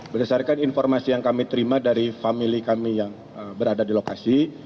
berdasarkan informasi yang kami terima dari famili kami yang berada di lokasi